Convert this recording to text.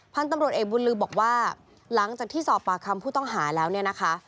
พันธุ์ตำรวจเอกบุญลือบอกว่าหลังจากที่สอบปากคำผู้ต้องหาแล้วเนี่ยนะคะ